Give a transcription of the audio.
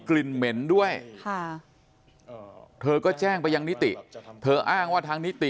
ลิ่นเหม็นด้วยค่ะเธอก็แจ้งไปยังนิติเธออ้างว่าทางนิติ